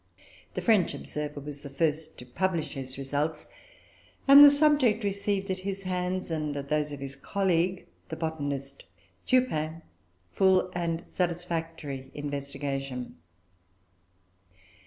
The French observer was the first to publish his results; and the subject received at his hands and at those of his colleague, the botanist Turpin, full and satisfactory investigation.